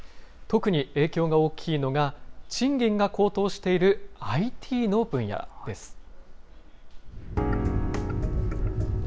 特に影響が大きいのが、賃金が高騰しているＩＴの分野です。